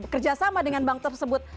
kerjasama dengan bank tersebut